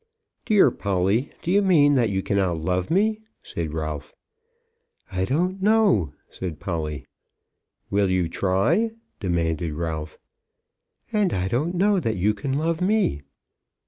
"Dear Polly, do you mean that you cannot love me?" said Ralph. "I don't know," said Polly. "Will you try?" demanded Ralph. "And I don't know that you can love me."